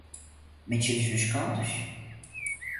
Metidos nos cantos?